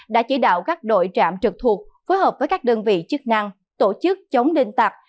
đã chỉ đạo các đội trạm trực thuộc phối hợp với các đơn vị chức năng tổ chức chống đinh tặc